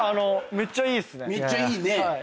めっちゃいいね。